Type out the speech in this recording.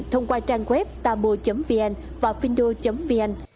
thông qua trang web tabo vn và findo vn